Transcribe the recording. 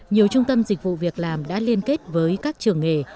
nhiều trung tâm dịch vụ việc làm đã liên kết với các trường nghề